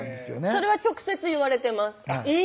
それは直接言われてますえぇっ！